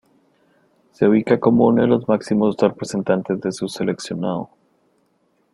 Se ubica como uno de los máximos representantes de su seleccionado.